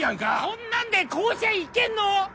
こんなんで甲子園行けんの？